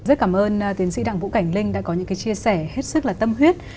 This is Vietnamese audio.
rất cảm ơn tiến sĩ đặng vũ cảnh linh đã có những chia sẻ hết sức là tâm huyết